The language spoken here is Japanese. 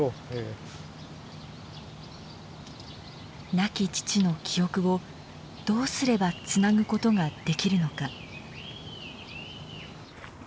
亡き父の記憶をどうすればつなぐことができるのか。